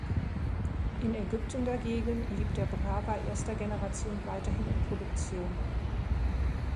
In Ägypten dagegen blieb der Brava erster Generation weiterhin in Produktion.